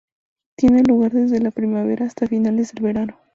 Tiene lugar desde la primavera hasta finales del verano.